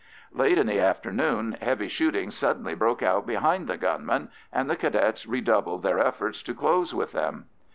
Late in the afternoon heavy shooting suddenly broke out behind the gunmen, and the Cadets redoubled their efforts to close with them.